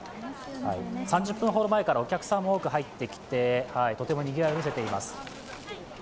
３０分ほど前からお客さんが多く入ってきて、とてもにぎわいを見せています。